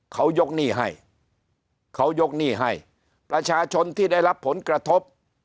เขายกหนี้ให้เขายกหนี้ให้ประชาชนที่ได้รับผลกระทบ